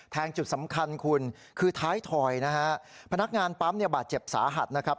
จุดสำคัญคุณคือท้ายถอยนะฮะพนักงานปั๊มเนี่ยบาดเจ็บสาหัสนะครับ